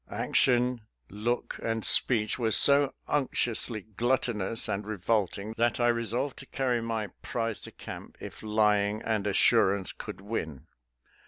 " Action, look, and speech were so unctiously glut tonous and revolting that I resolved to carry my prize to camp if lying and assurance could win.